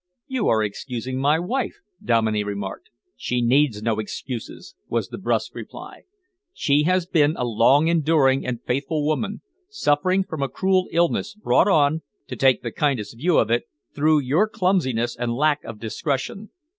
"You are excusing my wife," Dominey remarked. "She needs no excuses," was the brusque reply. "She has been a long enduring and faithful woman, suffering from a cruel illness, brought on, to take the kindest view if it, through your clumsiness and lack of discretion.